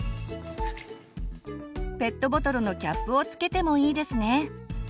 ペットボトルのキャップを付けてもいいですね。